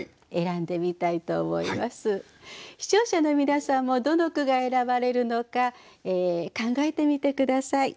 視聴者の皆さんもどの句が選ばれるのか考えてみて下さい。